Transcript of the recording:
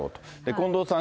近藤さん